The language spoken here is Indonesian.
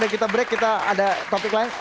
kita break kita ada topik lain